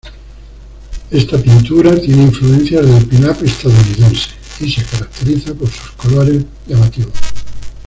Esta pintura tiene influencias del pin-up estadounidense y se caracteriza por sus colores llamativos.